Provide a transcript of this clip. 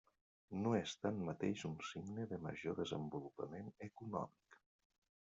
No és tanmateix un signe de major desenvolupament econòmic.